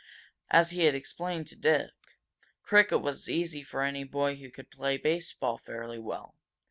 As he had explained to Dick, cricket was easy for any boy who could play baseball fairly well.